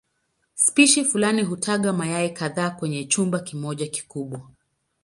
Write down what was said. Spishi fulani hutaga mayai kadhaa kwenye chumba kimoja kikubwa.